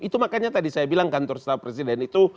itu makanya tadi saya bilang kantor staf presiden itu